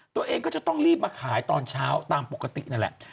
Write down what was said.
ตัวเองก็จะต้องรีบมาขายตอนเช้าตามปกตินั่นแหละ